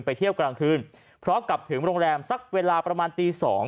เที่ยวกลางคืนเพราะกลับถึงโรงแรมสักเวลาประมาณตี๒